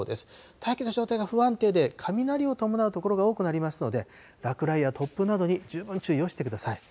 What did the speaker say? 大気の状態が不安定で、雷を伴う所が多くなりますので、落雷や突風などに十分注意をしてください。